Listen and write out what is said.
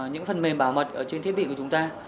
những phần mềm bảo mật trên thiết bị của chúng ta